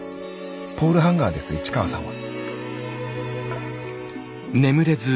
ポールハンガーです市川さんは。